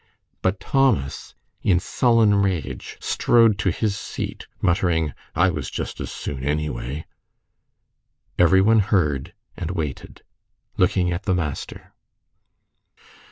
But Thomas, in sullen rage, strode to his seat muttering, "I was just as soon anyway." Every one heard and waited, looking at the master.